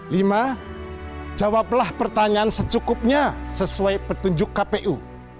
lima jawablah pertanyaan secukupnya sesuai petunjuk kpu